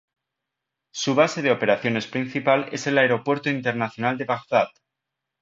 Su base de operaciones principal es el Aeropuerto Internacional de Bagdad.